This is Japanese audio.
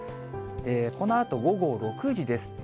このあと午後６時です。